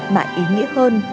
mà ý nghĩa hơn